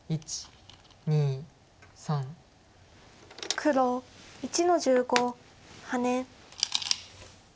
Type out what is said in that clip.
黒１の十五ハネ。